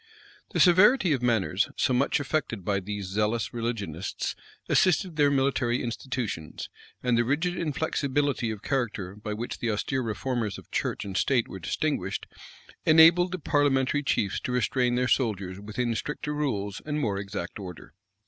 The severity of manners, so much affected by these zealous religionists, assisted their military institutions and the rigid inflexibility of character by which the austere reformers of church and state were distinguished, enabled the parliamentary chiefs to restrain their soldiers within stricter rules and more exact order.